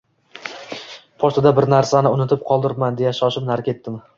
Pochtada bir narsani unutib qoldiribman, deya shoshib nari ketdim